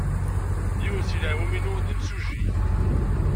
Yiwen seg leɛmum-inu d imsujji.